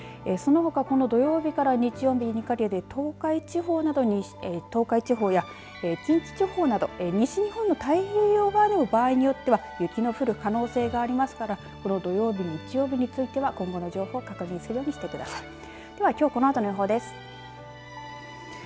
そのほか、この土曜日から日曜日にかけて東海地方や近畿地方など西日本の太平洋側でも場合によっては雪の降る可能性がありますからこの土曜日、日曜日については今後の情報確認するようにしてください。